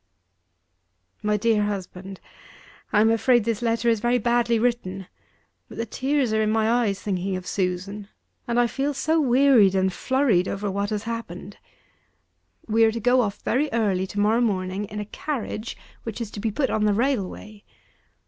My dear husband, I am afraid this letter is very badly written; but the tears are in my eyes, thinking of Susan; and I feel so wearied and flurried after what has happened. We are to go off very early to morrow morning in a carriage, which is to be put on the railway.